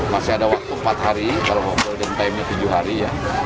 masih ada waktu empat hari kalau ngobrol dan timenya tujuh hari ya